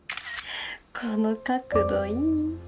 この角度いい。